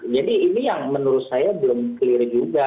jadi ini yang menurut saya belum clear juga